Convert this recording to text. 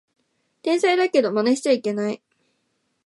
天才だけどマネしちゃいけない